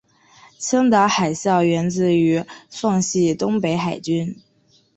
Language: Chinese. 青岛海校源自于奉系东北海军。